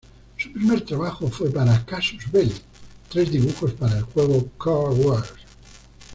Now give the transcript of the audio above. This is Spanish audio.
Su primer trabajo fue para "Casus Belli": tres dibujos para el juego "Car Wars".